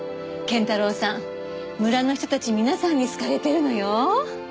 謙太郎さん村の人たち皆さんに好かれてるのよ。